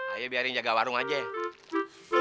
ayo biarin jaga warung aja ya